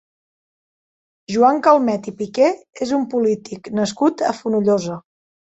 Joan Calmet i Piqué és un polític nascut a Fonollosa.